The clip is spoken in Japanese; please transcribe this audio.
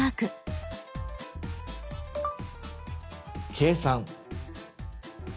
「計算」。